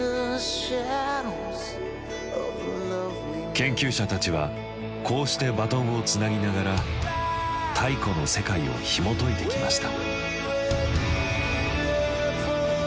研究者たちはこうしてバトンをつなぎながら太古の世界をひもといてきました。